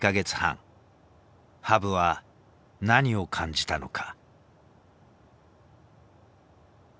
羽生は何を感じたのか。